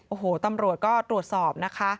โอ้โหตำรวจก็ตรวจสอบนะคะ